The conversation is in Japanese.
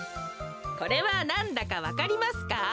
これはなんだかわかりますか？